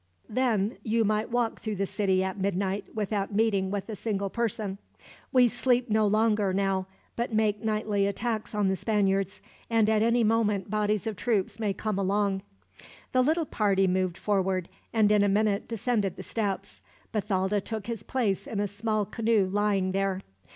Then you might walk through the city at midnight, without meeting with a single person. We sleep no longer now, but make nightly attacks on the Spaniards; and at any moment bodies of troops may come along." The little party moved forward, and in a minute descended the steps. Bathalda took his place in a small canoe lying there.